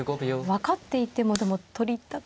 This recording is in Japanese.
分かっていてもでも取りたくなって。